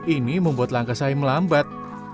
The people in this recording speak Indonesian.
ini membuat langkah saya melambat